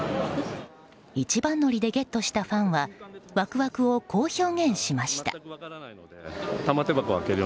一番乗りでゲットしたファンはワクワクをこう表現しました。